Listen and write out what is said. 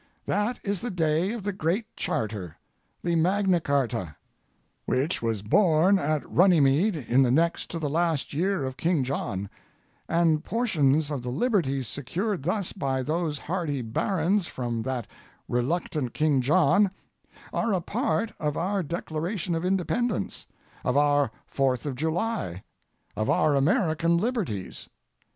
That is the day of the Great Charter—the Magna Charta—which was born at Runnymede in the next to the last year of King John, and portions of the liberties secured thus by those hardy Barons from that reluctant King John are a part of our Declaration of Independence, of our Fourth of July, of our American liberties.